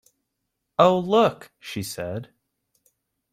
"Oh, look," she said.